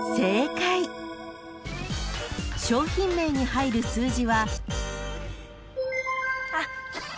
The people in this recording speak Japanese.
［商品名に入る数字は］